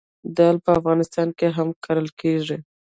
دال په افغانستان کې هم کرل کیږي.